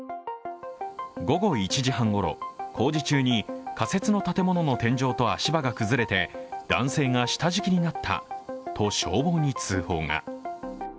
午後１時半ごろ、工事中に仮設の建物の天井と足場が崩れて男性が下敷きになったと消防に通報が。